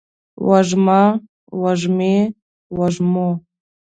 وږمه، وږمې ، وږمو